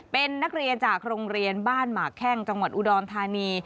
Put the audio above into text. เป็นนักเรียนจากโรงเรียนบ้านหมากแข้งจังหวัดอุดรธานี